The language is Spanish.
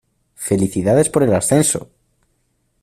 ¡Felicidades por el ascenso!